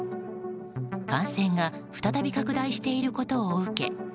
感染が再び拡大していることを受け